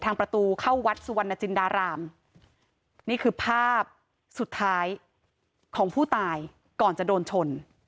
ประตูเข้าวัดสุวรรณจินดารามนี่คือภาพสุดท้ายของผู้ตายก่อนจะโดนชน